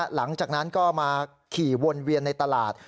หลังจากนั้นก็มาขี่วนเวียนในตลาด